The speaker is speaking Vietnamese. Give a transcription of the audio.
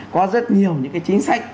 có rất nhiều những cái chính sách